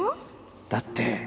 だって